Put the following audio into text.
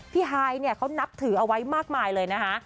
พี่ฮายเขานับถือเอาไว้มากมายเลยนะฮะ